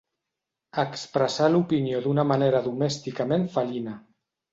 Expressar l'opinió d'una manera domèsticament felina.